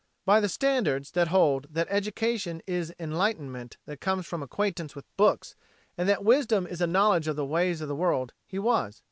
By the standards that hold that education is enlightenment that comes from acquaintance with books and that wisdom is a knowledge of the ways of the world, he was.